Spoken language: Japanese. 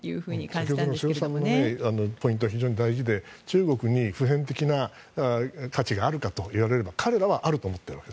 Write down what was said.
先ほどの瀬尾さんのポイントが大事で中国に普遍的な価値があるかと言われれば彼らはあると思っている。